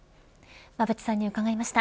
馬渕さんに伺いました。